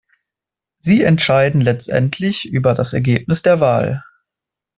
Sie entscheiden letztendlich über das Ergebnis der Wahl.